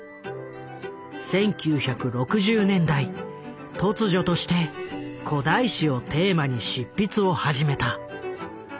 １９６０年代突如として古代史をテーマに執筆を始めた。